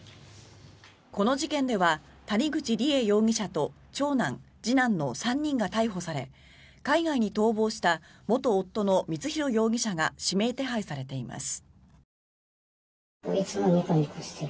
この事件では谷口梨恵容疑者と長男、次男の３人が逮捕され海外に逃亡した元夫の光弘容疑者が指名手配されています。